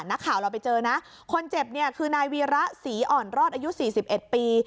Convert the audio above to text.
นักข่าวเราไปเจอนะคนเจ็บเนี่ยคือนายวีระศรีอ่อนรอดอายุสี่สิบเอ็ดปี